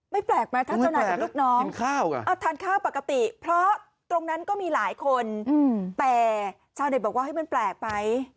ไม่แปลกเลยอะทานข้าวปกติเพราะตรงนั้นก็มีหลายคนแต่ชาวเน็ตบอกว่าให้มันแปลกไป